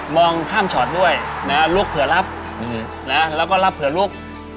มองข้ามชอตด้วยนะลุกเผลอรับแล้วก็รับเผลอลุก